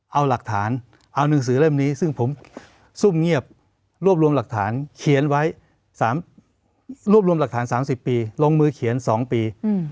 เอาหนังสือเล่มนี้ซึ่งผมซุ่มเงียบรวบรวมหลักฐาน๓๐ปีลงมือเขียน๒ปี